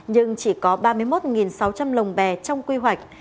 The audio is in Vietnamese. nhưng chỉ có ba mươi một sáu trăm linh lòng bé trong quy hoạch